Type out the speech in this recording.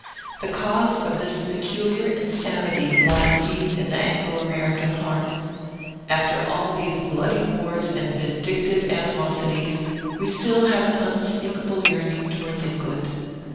The cause of this peculiar insanity lies deep in the Anglo American heart. After all these bloody wars and vindictive animosities, we have still an unspeakable yearning towards England.